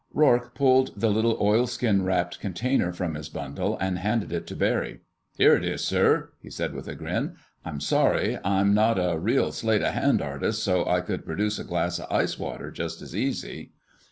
Rourke pulled the little oilskin wrapped container from his bundle and handed it to Barry. "Here it is, sir," he said with a grin. "I'm sorry I'm not a real sleight of hand artist, so I could produce a glass of ice water just as easy."